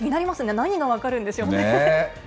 何が分かるんでしょうね。